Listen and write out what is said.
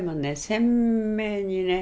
鮮明にね